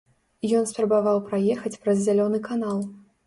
Ён спрабаваў праехаць праз зялёны канал.